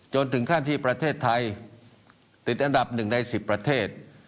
จนถึงขั้นที่ประเทศไทยติดอันดับ๑ใน๑๐ประเทศ